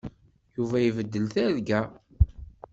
Yuba ibeddel targa.